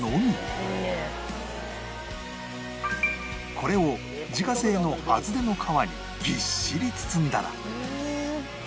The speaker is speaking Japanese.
これを自家製の厚手の皮にぎっしり包んだら